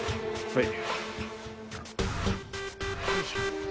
はい。